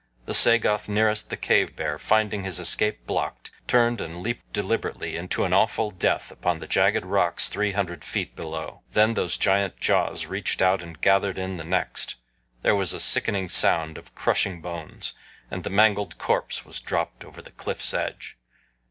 The Sagoth nearest the cave bear, finding his escape blocked, turned and leaped deliberately to an awful death upon the jagged rocks three hundred feet below. Then those giant jaws reached out and gathered in the next there was a sickening sound of crushing bones, and the mangled corpse was dropped over the cliff's edge.